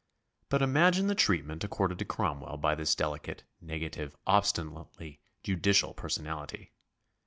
But imagine the treatment accorded to Cromwell by this delicate, negative, obstinately judicial personality.